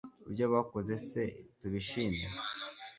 ibyo bakoze se tubishime